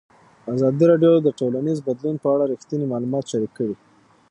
ازادي راډیو د ټولنیز بدلون په اړه رښتیني معلومات شریک کړي.